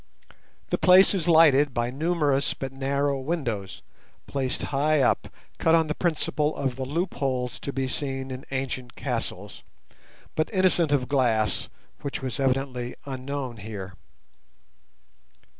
The place is lighted by numerous but narrow windows, placed high up, cut on the principle of the loopholes to be seen in ancient castles, but innocent of glass, which was evidently unknown here.